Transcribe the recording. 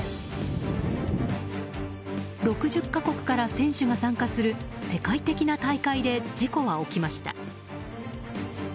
６０か国から選手が参加する世界的な大会で事故は起きました。